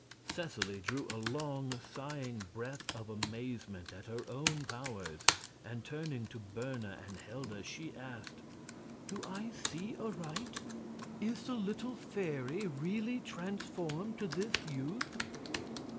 Seseley drew a long, sighing breath of amazement at her own powers, and turning to Berna and Helda she asked: "Do I see aright? Is the little fairy really transformed to this youth?"